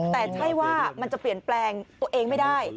แต่ใช่ว่ามันจะเปลี่ยนแปลงตัวเองไม่ได้